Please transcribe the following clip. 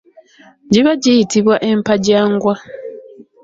Giba giyitibwa empajangwa.